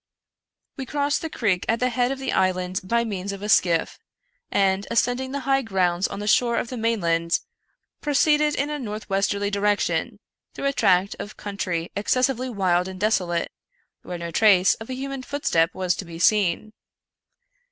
" We crossed the creek at the head of the island by means of a skiff, and, ascending the high grounds on the shore of the mainland, proceeded in a northwesterly direction, through a tract of country excessively wild and desolate, where no trace of a human footstep was to be seen.